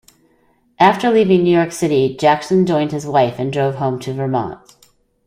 After leaving New York City Jackson joined his wife and drove home to Vermont.